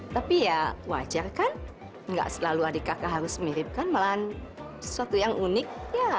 tapi ya wajar kan nggak selalu adik kakak harus miripkan malahan sesuatu yang unik